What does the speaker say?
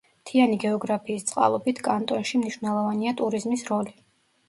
მთიანი გეოგრაფიის წყალობით, კანტონში მნიშვნელოვანია ტურიზმის როლი.